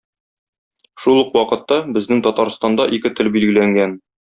Шул ук вакытта безнең Татарстанда ике тел билгеләнгән.